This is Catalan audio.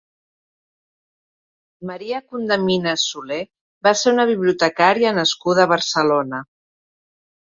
Maria Condeminas Soler va ser una bibliotecària nascuda a Barcelona.